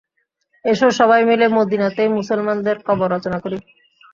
এসো, সবাই মিলে মদীনাতেই মুসলমানদের কবর রচনা করি।